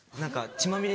・血まみれ？